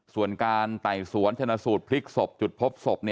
ส่วนการไต่สวนชนะสูตรพลิกศพจุดพบศพ